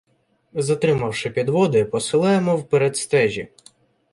Затримавши підводи, посилаємо вперед стежі.